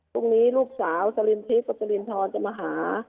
พรุ่งนี้ลูกสาวจรินทรีปจรินทรจะมาหา